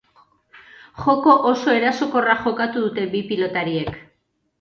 Joko oso erasokorra jokatu dute bi pilotariek.